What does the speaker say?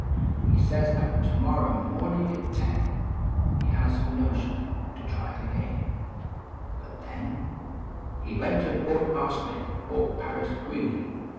He says at tomorrer Mornin at ten He has a notion l<> Trv it again Hut then. 128 AY/7" THEN He went and bought arsenic, bought paris green.